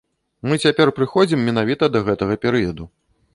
Мы цяпер прыходзім менавіта да гэтага перыяду.